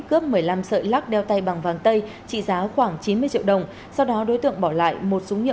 cướp một mươi năm sợi lắc đeo tay bằng vàng tây trị giá khoảng chín mươi triệu đồng sau đó đối tượng bỏ lại một súng nhựa